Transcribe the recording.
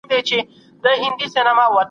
ستونزي مو د بریالیتوب وسیله وګرځوئ.